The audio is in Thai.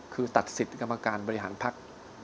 คือตัดสิทธิ์กรรมการบริหารภักดิ์